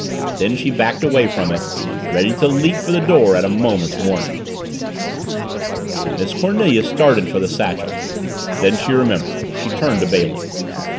Then she backed away from it, ready to leap for the door at a moment's warning. Miss Cornelia started for the satchel. Then she remembered. She turned to Bailey.